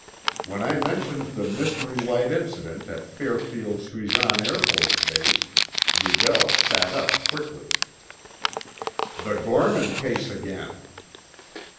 When I mentioned the mystery light incident at Fairfield Suisan Air Force Base, Redell sat up quickly. "The Gorman case again!"